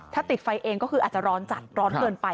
ถ้าติดไฟเองก็คืออาจจะร้อนจัดร้อนเกินไป